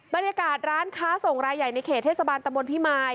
บรรยากาศร้านค้าส่งรายใหญ่ในเขตเทศบาลตะบนพิมาย